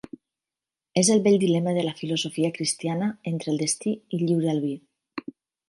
És el vell dilema de la filosofia cristiana entre el destí i el lliure albir.